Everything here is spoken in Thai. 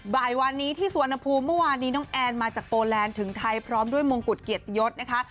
บ่ายวานนี้ที่สุวรรณภูมิเมื่อวานนี้น้องแอนมาจากโกแลนด์ถึงไทยพร้อมด้วยมงกุฎเกียรติยศนะคะ